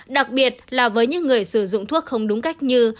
đặc biệt là với những người sử dụng thuốc không đúng cách như